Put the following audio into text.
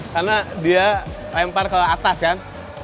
karena dia lempar ke atas kan